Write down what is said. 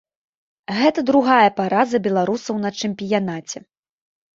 Гэта другая параза беларусаў на чэмпіянаце.